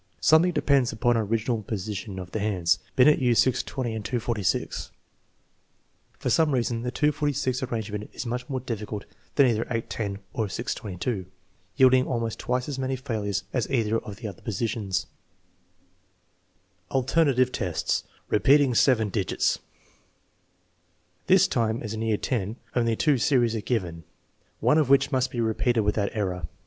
Something depends upon original position of the hands. Binet used 6.20 and 2.46. For some reason the 2.46 arrange ment is much more difficult than either 8.10 or 6.22, yield ing almost twice as many failures as either of the other positions. XIV, Alternative tests': repeating seven digits This time, as in year X, only two series are given, one of which must be repeated without error.